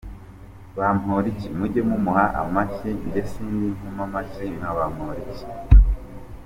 Bamporiki, mujye mumuha amashyi jye sindi inkomamashyi nka Bamporiki”.